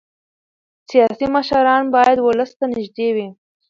سیاسي مشران باید ولس ته نږدې وي